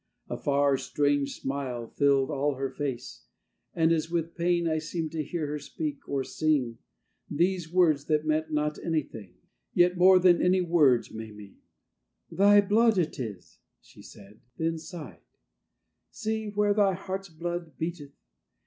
A far, strange smile Filled all her face, and as with pain I seemed to hear her speak, or sing, These words, that meant not anything, Yet more than any words may mean: "Thy blood it is," she said; then sighed: "See where thy heart's blood beateth!